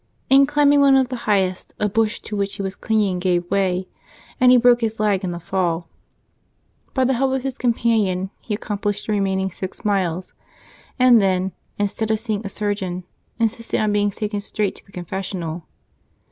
In climbing one of the highest, a bush to which he was clinging gave wa}'", and he broke his leg in the fall. By the help of his companion he accomplished the remaining six miles, and then, instead of seeing a surgeon, insisted on being taken straight to the confessional.